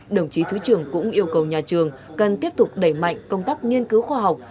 đồng chí thứ trưởng cũng yêu cầu nhà trường cần tiếp tục đẩy mạnh công tác nghiên cứu khoa học